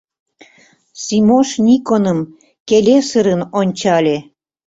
Симош Никоным келесырын ончале.